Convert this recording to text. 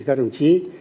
các bác anh các chị